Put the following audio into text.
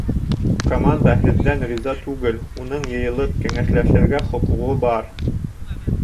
Команда һеҙҙән риза түгел, уның йыйылып кәңәшләшергә хоҡуғы бар.